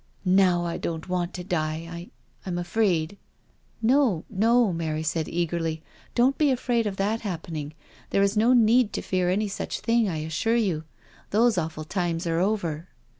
" Now I don't want to die— J— I'm afraid." " No, no," Mary said eagerly. " Don't be afraid of that happening. There is no need to fear any such thing, I assure you — those awful times are over.